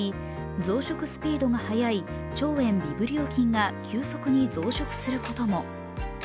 増殖スピードが速い腸炎ビブリオ菌が急速に増殖することも。